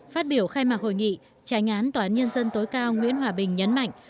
phát biểu khai mạc hội nghị tránh án toán nhân dân tối cao nguyễn hòa bình nhấn mạnh